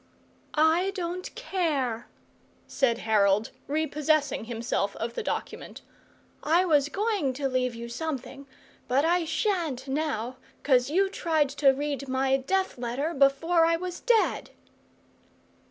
"I don't care," said Harold, repossessing himself of the document. "I was going to leave you something, but I sha'n't now, 'cos you tried to read my death letter before I was dead!"